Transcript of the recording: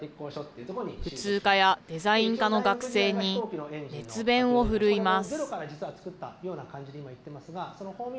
普通科やデザイン科の学生に熱弁をふるいます。